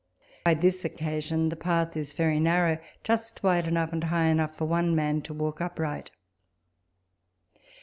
By this occasion the path is very narrow, just wide enough and high enough for one man to walk upright.